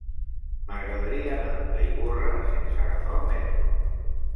M'agradaria anar a Ivorra sense agafar el metro.